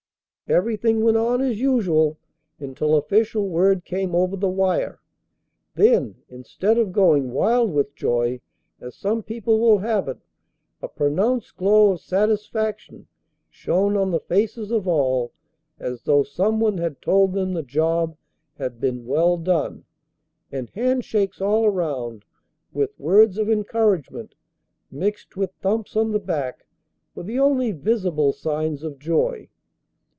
"Everything went on as usual until official word came over the wire. Then, instead of going wild with joy, as some people will have it, a pronounced glow of satisfaction shone on the faces of all as though someone had told them the job had been well done, and hand shakes all around with words of encour agement mixed with thumps on the back were the only visible signs of joy.